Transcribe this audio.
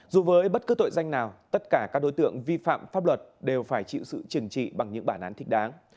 dù với bất cứ tội danh nào tất cả các đối tượng vi phạm pháp luật đều phải chịu sự trừng trị bằng những bản án thích đáng